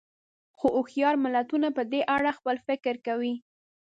خو هوښیار ملتونه په دې اړه خپل فکر کوي.